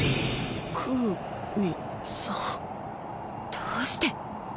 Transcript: どうして？